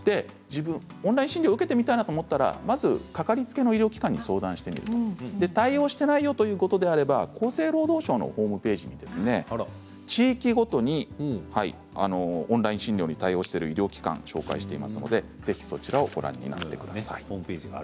オンライン診療を受けてみたいと思ったらまずかかりつけの医療機関に相談してみる対応していないということであれば厚生労働省のホームページに地域ごとにオンライン診療に対応している医療機関を紹介していますのでぜひ、そちらをご覧になってください。